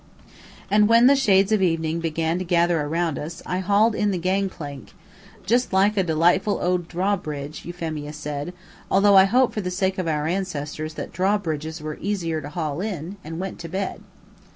And when the shades of evening began to gather around us, I hauled in the gang plank (just like a delightful old draw bridge, Euphemia said, although I hope for the sake of our ancestors that draw bridges were easier to haul in) and went to bed.